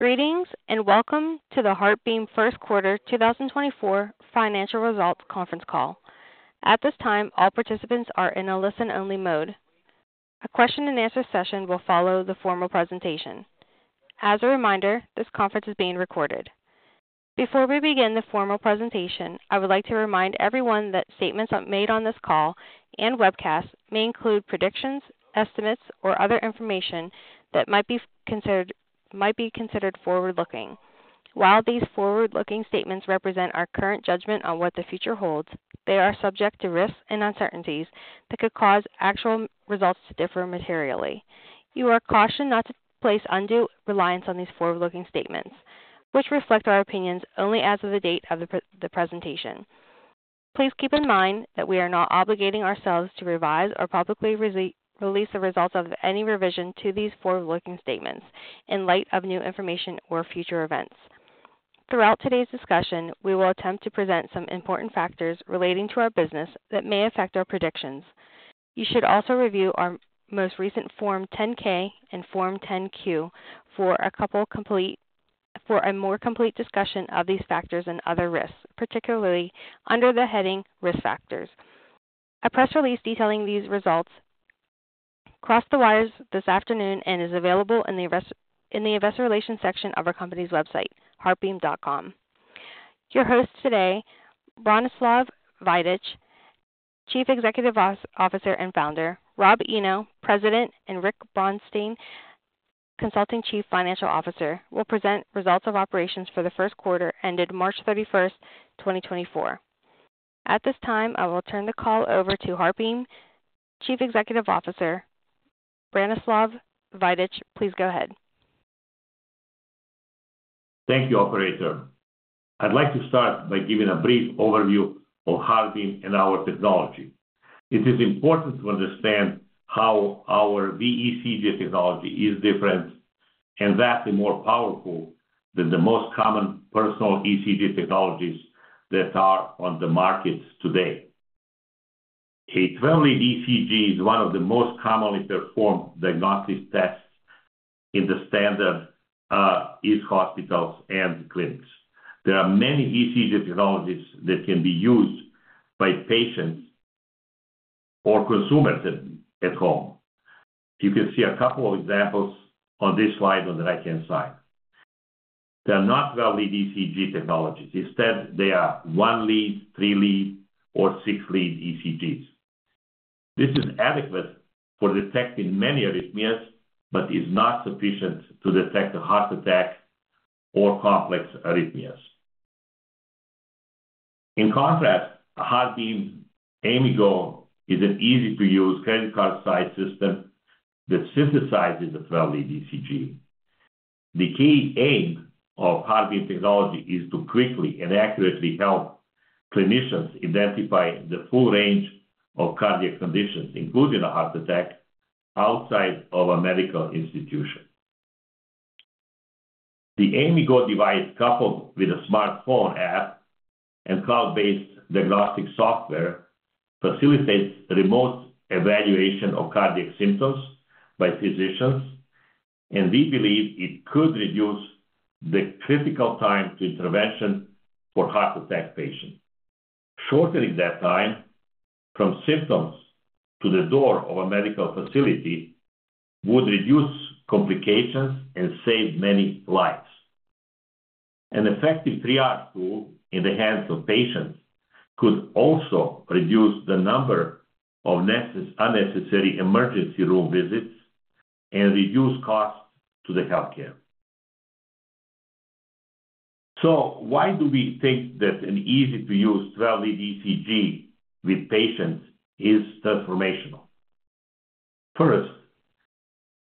Greetings and welcome to the HeartBeam Q1 2024 Financial Results Conference Call. At this time, all participants are in a listen-only mode. A question-and-answer session will follow the formal presentation. As a reminder, this conference is being recorded. Before we begin the formal presentation, I would like to remind everyone that statements made on this call and webcast may include predictions, estimates, or other information that might be considered forward-looking. While these forward-looking statements represent our current judgment on what the future holds, they are subject to risks and uncertainties that could cause actual results to differ materially. You are cautioned not to place undue reliance on these forward-looking statements, which reflect our opinions only as of the date of the presentation. Please keep in mind that we are not obligating ourselves to revise or publicly release the results of any revision to these forward-looking statements in light of new information or future events. Throughout today's discussion, we will attempt to present some important factors relating to our business that may affect our predictions. You should also review our most recent Form 10-K and Form 10-Q for a more complete discussion of these factors and other risks, particularly under the heading Risk Factors. A press release detailing these results crossed the wires this afternoon and is available in the investor relations section of our company's website, heartbeam.com. Your hosts today, Branislav Vajdic, Chief Executive Officer and Founder, Rob Eno, President, and Rick Brounstein, Consulting Chief Financial Officer, will present results of operations for the Q1 ended March 31, 2024. At this time, I will turn the call over to HeartBeam Chief Executive Officer Branislav Vajdic. Please go ahead. Thank you, Operator. I'd like to start by giving a brief overview of HeartBeam and our technology. It is important to understand how our VECG technology is different and vastly more powerful than the most common personal ECG technologies that are on the market today. A 12-lead ECG is one of the most commonly performed diagnostic tests in the standard U.S. hospitals and clinics. There are many ECG technologies that can be used by patients or consumers at home. You can see a couple of examples on this slide on the right-hand side. They are not 12-lead ECG technologies. Instead, they are 1-lead, 3-lead, or 6-lead ECGs. This is adequate for detecting many arrhythmias but is not sufficient to detect a heart attack or complex arrhythmias. In contrast, HeartBeam AIMIGo is an easy-to-use credit card-sized system that synthesizes a 12-lead ECG. The key aim of HeartBeam technology is to quickly and accurately help clinicians identify the full range of cardiac conditions, including a heart attack, outside of a medical institution. The AIMIGo device, coupled with a smartphone app and cloud-based diagnostic software, facilitates remote evaluation of cardiac symptoms by physicians, and we believe it could reduce the critical time to intervention for heart attack patients. Shortening that time from symptoms to the door of a medical facility would reduce complications and save many lives. An effective triage tool in the hands of patients could also reduce the number of unnecessary emergency room visits and reduce costs to the healthcare. So why do we think that an easy-to-use 12-lead ECG with patients is transformational? First,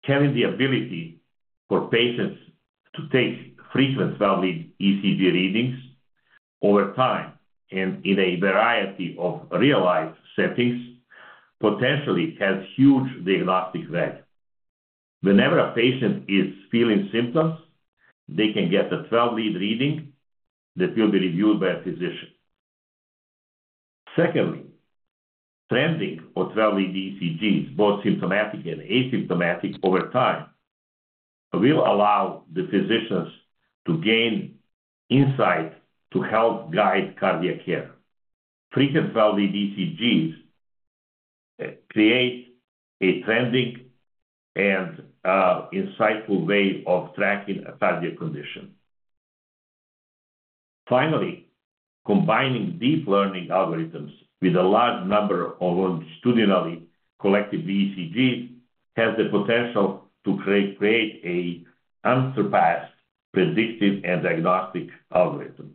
having the ability for patients to take frequent 12-lead ECG readings over time and in a variety of real-life settings potentially has huge diagnostic value. Whenever a patient is feeling symptoms, they can get a 12-lead reading that will be reviewed by a physician. Secondly, trending 12-lead ECGs, both symptomatic and asymptomatic, over time will allow the physicians to gain insight to help guide cardiac care. Frequent 12-lead ECGs create a trending and insightful way of tracking a cardiac condition. Finally, combining deep learning algorithms with a large number of longitudinally collected VECGs has the potential to create an unsurpassed predictive and diagnostic algorithm.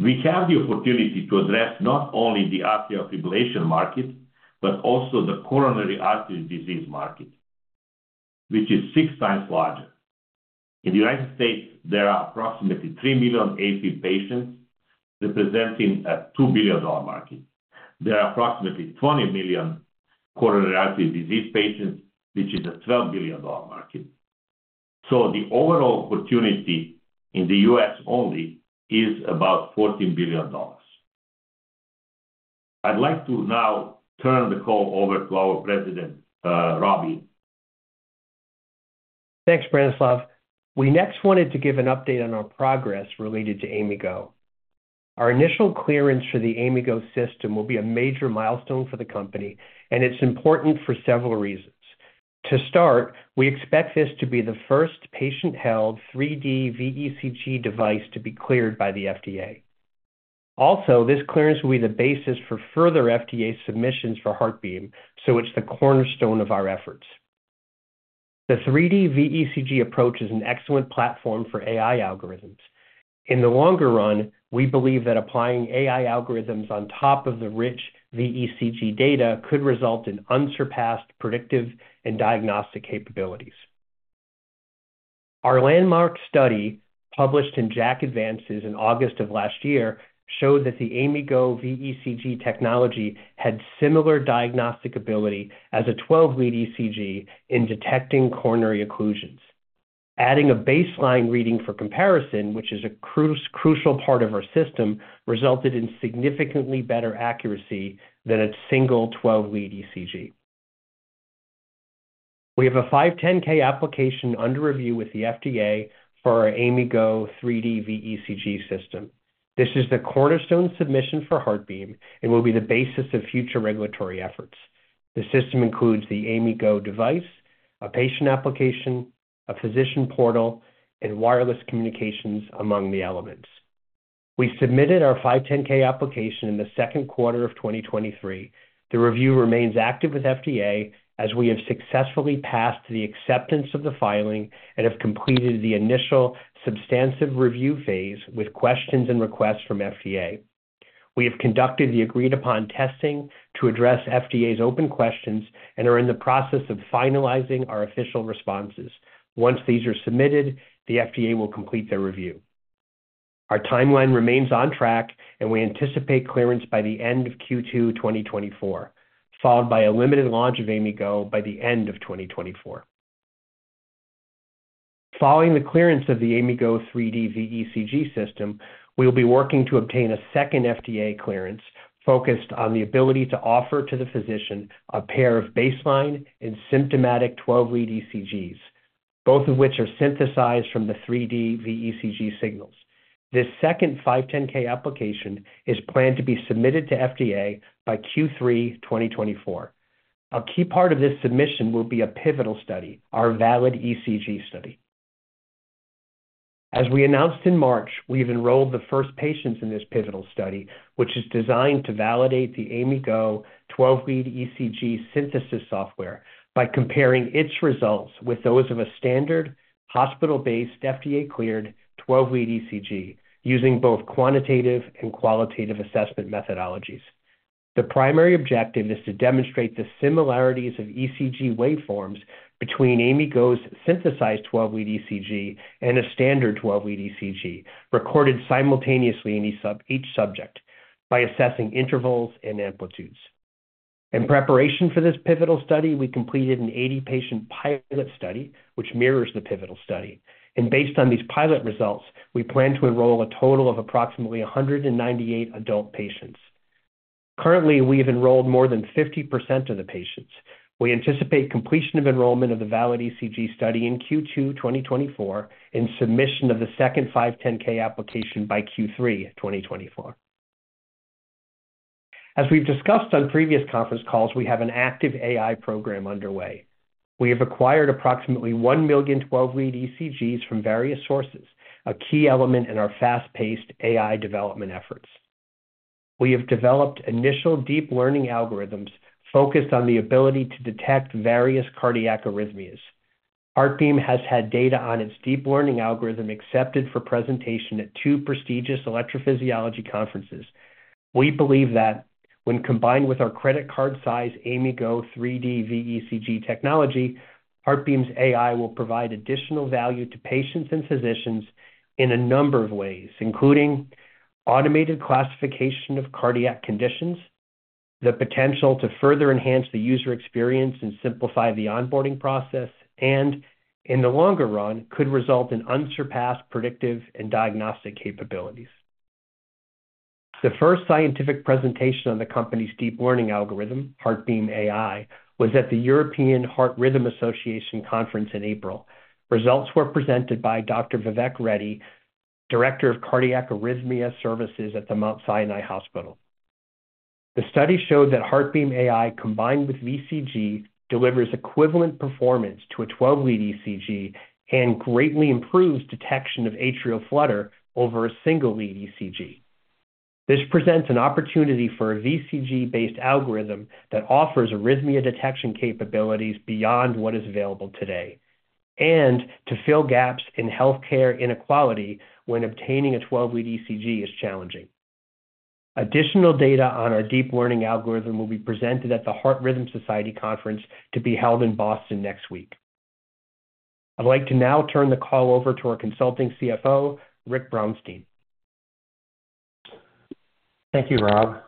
We have the opportunity to address not only the atrial fibrillation market but also the coronary artery disease market, which is six times larger. In the United States, there are approximately 3 million AFib patients representing a $2 billion market. There are approximately 20 million coronary artery disease patients, which is a $12 billion market. So the overall opportunity in the U.S. only is about $14 billion. I'd like to now turn the call over to our President, Rob Eno. Thanks, Branislav. We next wanted to give an update on our progress related to AIMIGo. Our initial clearance for the AIMIGo system will be a major milestone for the company, and it's important for several reasons. To start, we expect this to be the first patient-held 3D VECG device to be cleared by the FDA. Also, this clearance will be the basis for further FDA submissions for HeartBeam, so it's the cornerstone of our efforts. The 3D VECG approach is an excellent platform for AI algorithms. In the longer run, we believe that applying AI algorithms on top of the rich VECG data could result in unsurpassed predictive and diagnostic capabilities. Our landmark study, published in JACC: Advances in August of last year, showed that the AIMIGo VECG technology had similar diagnostic ability as a 12-lead ECG in detecting coronary occlusions. Adding a baseline reading for comparison, which is a crucial part of our system, resulted in significantly better accuracy than a single 12-lead ECG. We have a 510(k) application under review with the FDA for our AIMIGo 3D VECG system. This is the cornerstone submission for HeartBeam and will be the basis of future regulatory efforts. The system includes the AIMIGo device, a patient application, a physician portal, and wireless communications among the elements. We submitted our 510(k) application in the Q2 of 2023. The review remains active with FDA as we have successfully passed the acceptance of the filing and have completed the initial substantive review phase with questions and requests from FDA. We have conducted the agreed-upon testing to address FDA's open questions and are in the process of finalizing our official responses. Once these are submitted, the FDA will complete their review. Our timeline remains on track, and we anticipate clearance by the end of Q2 2024, followed by a limited launch of AIMIGo by the end of 2024. Following the clearance of the AIMIGo 3D VECG system, we will be working to obtain a second FDA clearance focused on the ability to offer to the physician a pair of baseline and symptomatic 12-lead ECGs, both of which are synthesized from the 3D VECG signals. This second 510(k) application is planned to be submitted to FDA by Q3 2024. A key part of this submission will be a pivotal study, our VALID-ECG study. As we announced in March, we have enrolled the first patients in this pivotal study, which is designed to validate the AIMIGo 12-lead ECG synthesis software by comparing its results with those of a standard, hospital-based, FDA-cleared 12-lead ECG using both quantitative and qualitative assessment methodologies. The primary objective is to demonstrate the similarities of ECG waveforms between AIMIGo's synthesized 12-lead ECG and a standard 12-lead ECG recorded simultaneously in each subject by assessing intervals and amplitudes. In preparation for this pivotal study, we completed an 80-patient pilot study, which mirrors the pivotal study. Based on these pilot results, we plan to enroll a total of approximately 198 adult patients. Currently, we have enrolled more than 50% of the patients. We anticipate completion of enrollment of the VALID-ECG study in Q2 2024 and submission of the second 510(k) application by Q3 2024. As we've discussed on previous conference calls, we have an active AI program underway. We have acquired approximately 1 million 12-lead ECGs from various sources, a key element in our fast-paced AI development efforts. We have developed initial deep learning algorithms focused on the ability to detect various cardiac arrhythmias. HeartBeam has had data on its deep learning algorithm accepted for presentation at two prestigious electrophysiology conferences. We believe that when combined with our credit card-sized AIMIGo 3D VECG technology, HeartBeam AI will provide additional value to patients and physicians in a number of ways, including automated classification of cardiac conditions, the potential to further enhance the user experience and simplify the onboarding process, and in the longer run, could result in unsurpassed predictive and diagnostic capabilities. The first scientific presentation on the company's deep learning algorithm, HeartBeam AI, was at the European Heart Rhythm Association conference in April. Results were presented by Dr. Vivek Reddy, Director of Cardiac Arrhythmia Services at The Mount Sinai Hospital. The study showed that HeartBeam AI, combined with VECG, delivers equivalent performance to a 12-lead ECG and greatly improves detection of atrial flutter over a single-lead ECG. This presents an opportunity for a VECG-based algorithm that offers arrhythmia detection capabilities beyond what is available today and to fill gaps in healthcare inequality when obtaining a 12-lead ECG is challenging. Additional data on our deep learning algorithm will be presented at the Heart Rhythm Society conference to be held in Boston next week. I'd like to now turn the call over to our consulting CFO, Rick Brounstein. Thank you, Rob.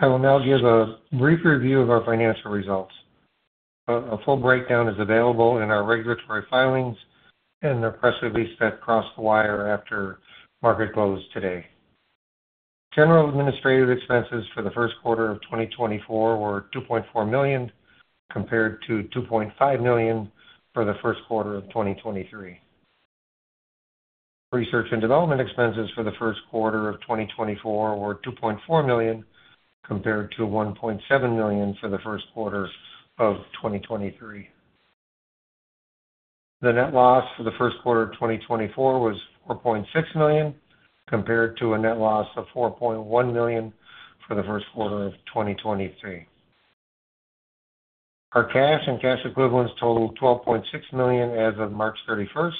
I will now give a brief review of our financial results. A full breakdown is available in our regulatory filings and the press release that crossed the wire after market close today. General administrative expenses for the Q1 of 2024 were $2.4 million compared to $2.5 million for the Q1 of 2023. Research and development expenses for the Q1 of 2024 were $2.4 million compared to $1.7 million for the Q1 of 2023. The net loss for the Q1 of 2024 was $4.6 million compared to a net loss of $4.1 million for the Q1 of 2023. Our cash and cash equivalents totaled $12.6 million as of March 31st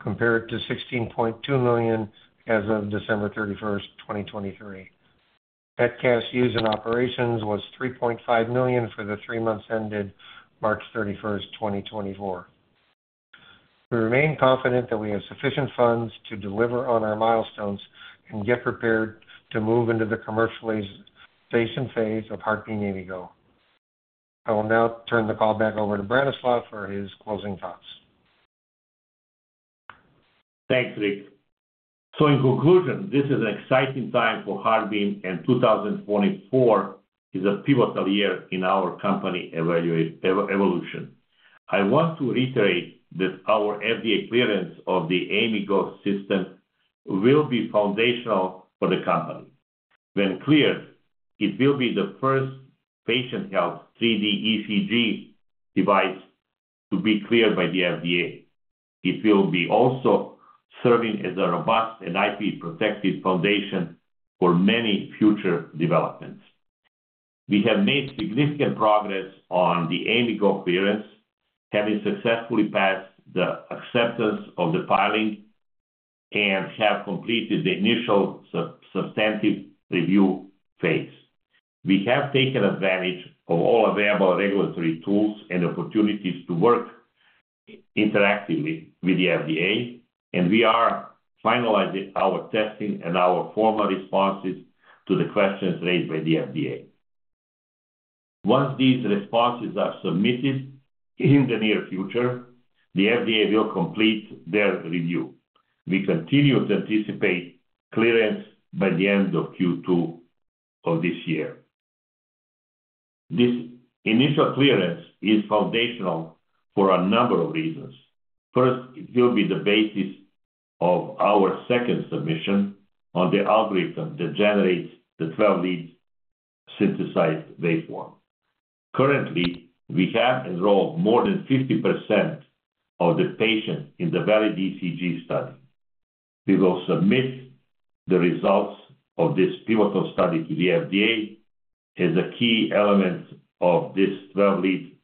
compared to $16.2 million as of December 31st, 2023. Net cash used in operations was $3.5 million for the three months ended March 31st, 2024. We remain confident that we have sufficient funds to deliver on our milestones and get prepared to move into the commercialization phase of HeartBeam AIMIGo. I will now turn the call back over to Branislav for his closing thoughts. Thanks, Rick. So in conclusion, this is an exciting time for HeartBeam, and 2024 is a pivotal year in our company evolution. I want to reiterate that our FDA clearance of the AIMIGo system will be foundational for the company. When cleared, it will be the first patient-held 3D ECG device to be cleared by the FDA. It will be also serving as a robust and IP-protected foundation for many future developments. We have made significant progress on the AIMIGo clearance, having successfully passed the acceptance of the filing, and have completed the initial substantive review phase. We have taken advantage of all available regulatory tools and opportunities to work interactively with the FDA, and we are finalizing our testing and our formal responses to the questions raised by the FDA. Once these responses are submitted in the near future, the FDA will complete their review. We continue to anticipate clearance by the end of Q2 of this year. This initial clearance is foundational for a number of reasons. First, it will be the basis of our second submission on the algorithm that generates the 12-lead synthesized waveform. Currently, we have enrolled more than 50% of the patients in the VALID-ECG study. We will submit the results of this pivotal study to the FDA as a key element of this 12-lead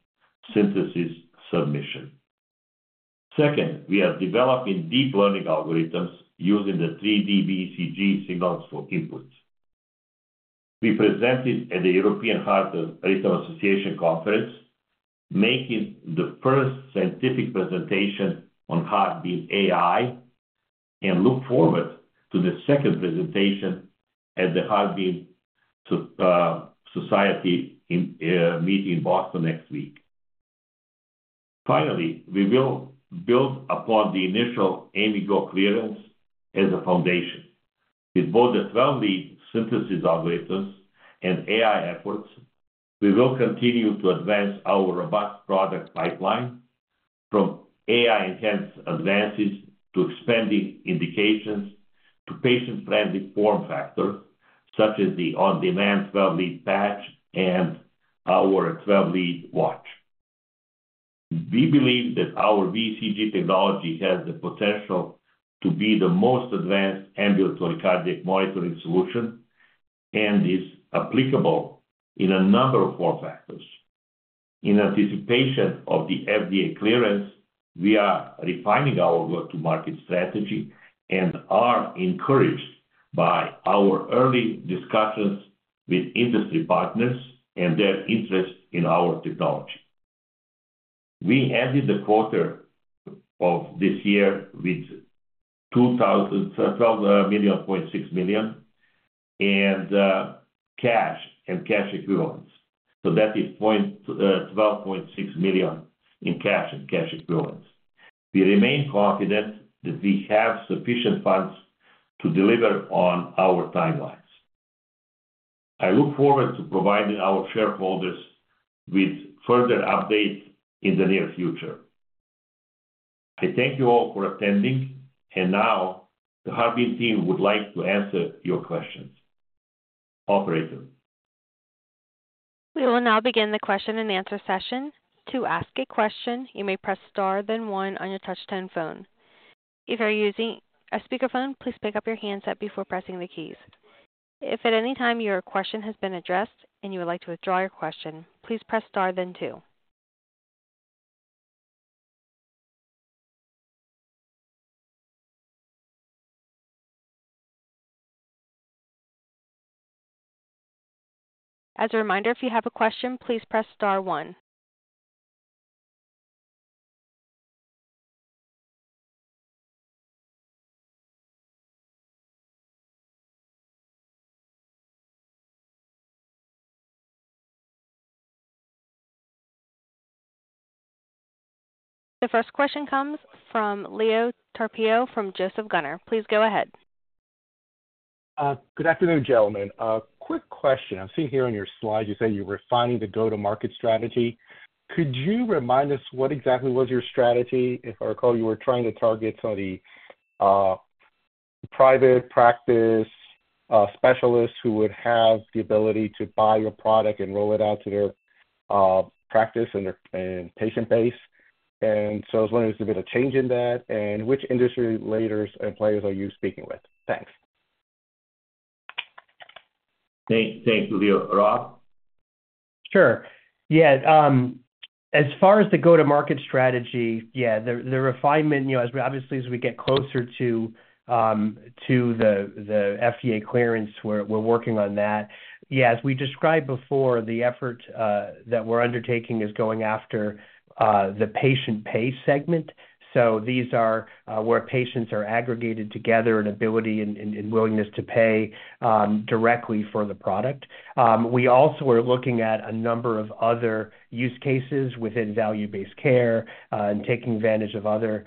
synthesis submission. Second, we are developing deep learning algorithms using the 3D VECG signals for input. We presented at the European Heart Rhythm Association conference, making the first scientific presentation on HeartBeam AI, and look forward to the second presentation at the Heart Rhythm Society meeting in Boston next week. Finally, we will build upon the initial AIMIGo clearance as a foundation. With both the 12-lead synthesis algorithms and AI efforts, we will continue to advance our robust product pipeline from AI-enhanced advances to expanding indications to patient-friendly form factors such as the on-demand 12-lead patch and our 12-lead watch. We believe that our VECG technology has the potential to be the most advanced ambulatory cardiac monitoring solution and is applicable in a number of form factors. In anticipation of the FDA clearance, we are refining our go-to-market strategy and are encouraged by our early discussions with industry partners and their interest in our technology. We ended the quarter of this year with $12.6 million in cash and cash equivalents. So that is $12.6 million in cash and cash equivalents. We remain confident that we have sufficient funds to deliver on our timelines. I look forward to providing our shareholders with further updates in the near future. I thank you all for attending, and now the HeartBeam team would like to answer your questions. Operator. We will now begin the question-and-answer session. To ask a question, you may press star then one on your touchscreen phone. If you're using a speakerphone, please pick up your handset before pressing the keys. If at any time your question has been addressed and you would like to withdraw your question, please press star then two. As a reminder, if you have a question, please press star one. The first question comes from Leo Carpio from Joseph Gunnar. Please go ahead. Good afternoon, gentlemen. Quick question. I'm seeing here on your slides you say you're refining the go-to-market strategy. Could you remind us what exactly was your strategy? If I recall, you were trying to target some of the private practice specialists who would have the ability to buy your product and roll it out to their practice and patient base. So I was wondering if there's a bit of change in that and which industry leaders and players are you speaking with. Thanks. Thanks, Leo. Rob? Sure. Yeah. As far as the go-to-market strategy, yeah, the refinement, obviously, as we get closer to the FDA clearance, we're working on that. Yeah, as we described before, the effort that we're undertaking is going after the patient pay segment. So these are where patients are aggregated together in their ability and willingness to pay directly for the product. We also are looking at a number of other use cases within value-based care and taking advantage of other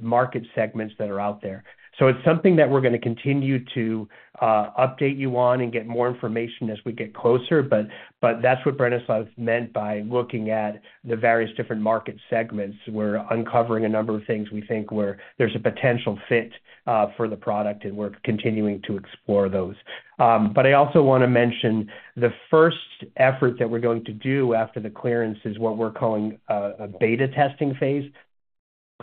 market segments that are out there. So it's something that we're going to continue to update you on and get more information as we get closer. But that's what Branislav meant by looking at the various different market segments. We're uncovering a number of things we think where there's a potential fit for the product, and we're continuing to explore those. But I also want to mention the first effort that we're going to do after the clearance is what we're calling a beta testing phase.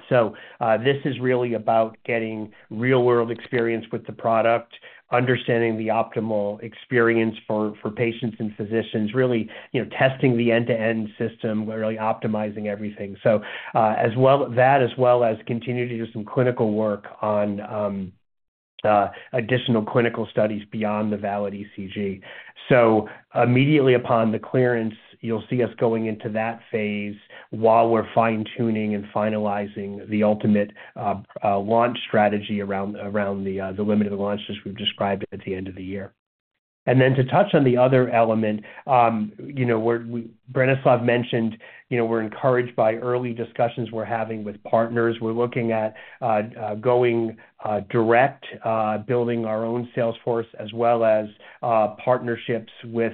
So this is really about getting real-world experience with the product, understanding the optimal experience for patients and physicians, really testing the end-to-end system, really optimizing everything. So as well as that, as well as continuing to do some clinical work on additional clinical studies beyond the VALID-ECG. So immediately upon the clearance, you'll see us going into that phase while we're fine-tuning and finalizing the ultimate launch strategy around the limited launch as we've described at the end of the year. And then to touch on the other element, Branislav mentioned we're encouraged by early discussions we're having with partners. We're looking at going direct, building our own salesforce, as well as partnerships with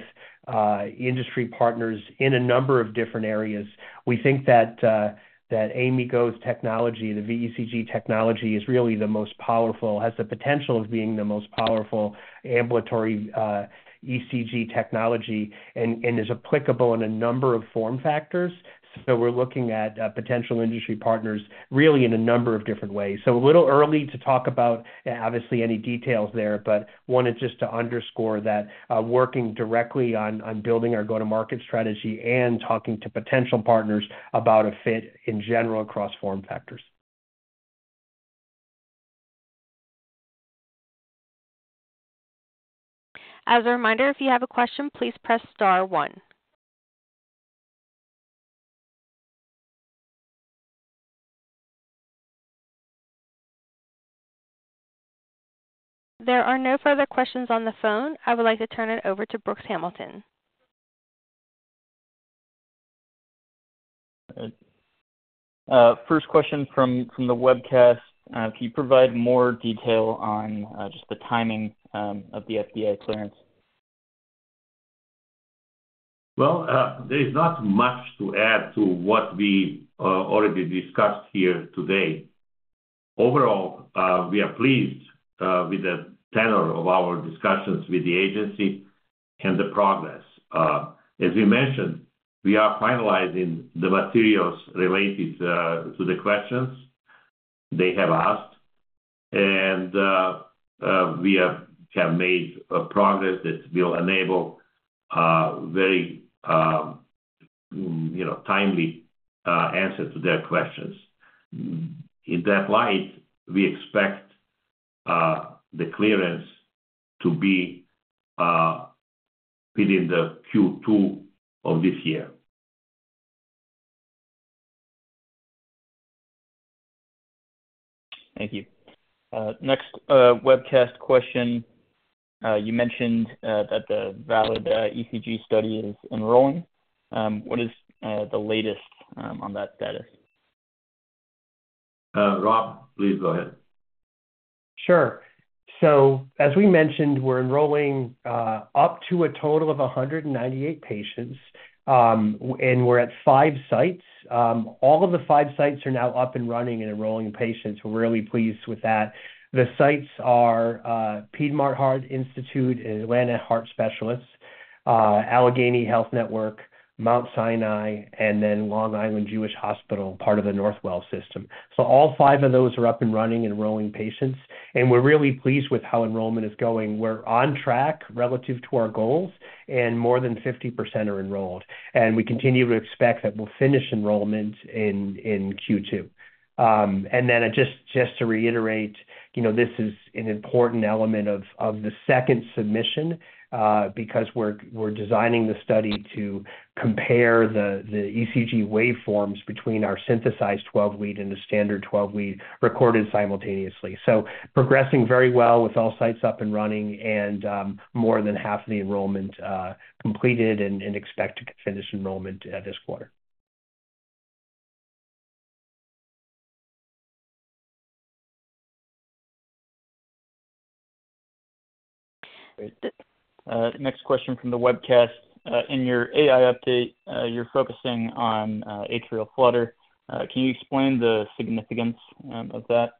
industry partners in a number of different areas. We think that AIMIGo's technology, the VECG technology, is really the most powerful, has the potential of being the most powerful ambulatory ECG technology, and is applicable in a number of form factors. So we're looking at potential industry partners really in a number of different ways. So a little early to talk about, obviously, any details there, but wanted just to underscore that working directly on building our go-to-market strategy and talking to potential partners about a fit in general across form factors. As a reminder, if you have a question, please press star one. There are no further questions on the phone. I would like to turn it over to Brooks Hamilton. All right. First question from the webcast. Can you provide more detail on just the timing of the FDA clearance? Well, there is not much to add to what we already discussed here today. Overall, we are pleased with the tenor of our discussions with the agency and the progress. As we mentioned, we are finalizing the materials related to the questions they have asked, and we have made progress that will enable very timely answers to their questions. In that light, we expect the clearance to be within the Q2 of this year. Thank you. Next webcast question. You mentioned that the VALID-ECG study is enrolling. What is the latest on that status? Rob, please go ahead. Sure. So as we mentioned, we're enrolling up to a total of 198 patients, and we're at five sites. All of the five sites are now up and running and enrolling patients. We're really pleased with that. The sites are Piedmont Heart Institute, Atlanta Heart Specialists, Allegheny Health Network, Mount Sinai, and then Long Island Jewish Hospital, part of the Northwell system. So all five of those are up and running and enrolling patients, and we're really pleased with how enrollment is going. We're on track relative to our goals, and more than 50% are enrolled. And we continue to expect that we'll finish enrollment in Q2. And then just to reiterate, this is an important element of the second submission because we're designing the study to compare the ECG waveforms between our synthesized 12-lead and the standard 12-lead recorded simultaneously. So, progressing very well with all sites up and running and more than half of the enrollment completed and expect to finish enrollment this quarter. Great. Next question from the webcast. In your AI update, you're focusing on atrial flutter. Can you explain the significance of that?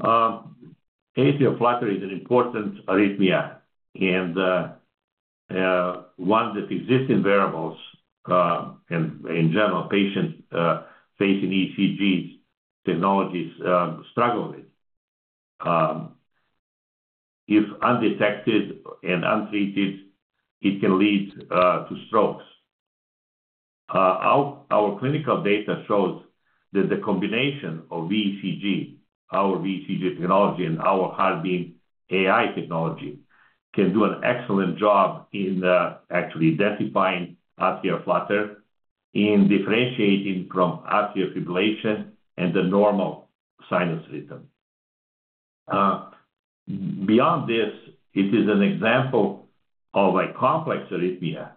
Atrial flutter is an important arrhythmia, and one that existing variables and, in general, patients facing ECG technologies struggle with. If undetected and untreated, it can lead to strokes. Our clinical data shows that the combination of VECG, our VECG technology, and our HeartBeam AI technology can do an excellent job in actually identifying atrial flutter and differentiating from atrial fibrillation and the normal sinus rhythm. Beyond this, it is an example of a complex arrhythmia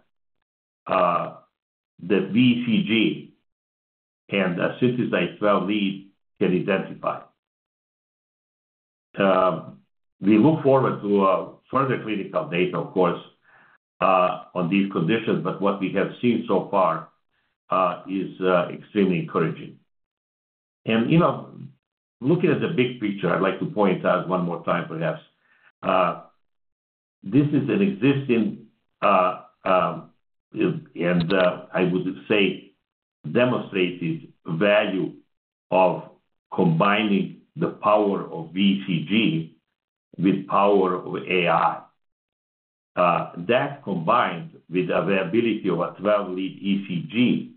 that VECG and a synthesized 12-lead can identify. We look forward to further clinical data, of course, on these conditions, but what we have seen so far is extremely encouraging. Looking at the big picture, I'd like to point out one more time, perhaps. This is an existing and I would say demonstrated value of combining the power of VECG with power of AI. That combined with the availability of a 12-lead ECG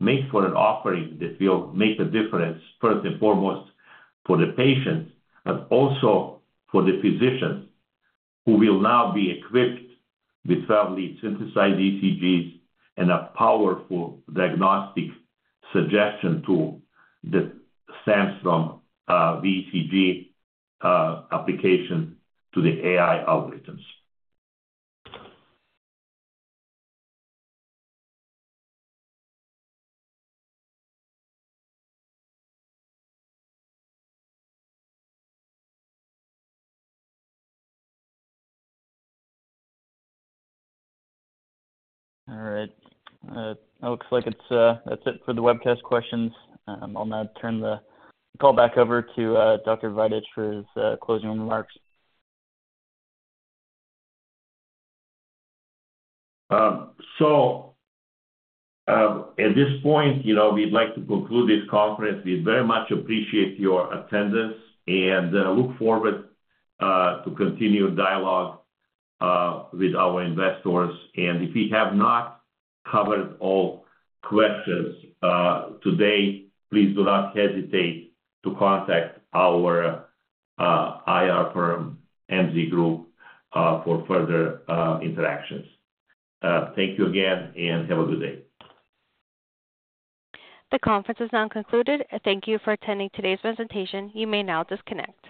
makes for an offering that will make a difference, first and foremost, for the patients, but also for the physicians who will now be equipped with 12-lead synthesized ECGs and a powerful diagnostic suggestion tool that stems from VECG application to the AI algorithms. All right. It looks like that's it for the webcast questions. I'll now turn the call back over to Dr. Vajdic for his closing remarks. At this point, we'd like to conclude this conference. We very much appreciate your attendance and look forward to continued dialogue with our investors. If we have not covered all questions today, please do not hesitate to contact our IR firm, MZ Group, for further interactions. Thank you again, and have a good day. The conference is now concluded. Thank you for attending today's presentation. You may now disconnect.